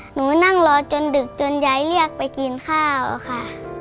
หนูนั่งรอจนดึกจนยายเรียกไปกินข้าวค่ะ